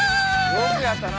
よくやったな！